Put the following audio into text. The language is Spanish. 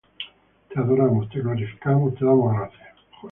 te adoramos, te glorificamos, te damos gracias,